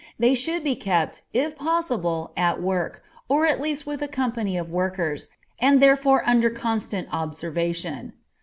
They should be kept, if possible, at work, or at least with a company of workers, and therefore under constant observation.